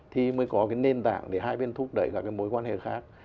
thì mới có cái nền tảng để hai bên thúc đẩy các cái mối quan hệ khác